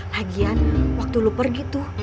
lagian waktu lu pergi tuh